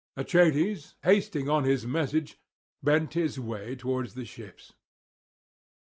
Achates, hasting on his message, bent his way towards the ships.